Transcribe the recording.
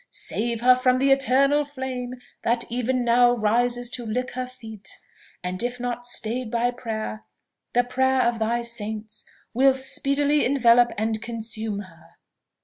Save her from the eternal flame that even now rises to lick her feet, and if not stayed by prayer the prayer of thy saints, will speedily envelope and consume her!"